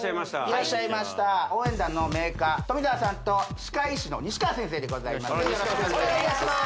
いらっしゃいました応援団のメーカー富澤さんと歯科医師の西川先生でございますお願いいたします